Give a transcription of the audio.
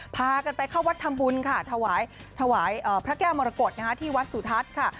พากันไปเข้าวัดทำบุญค่ะถวายพระแก้วมรกฏที่วัดสุทัศน์ค่ะ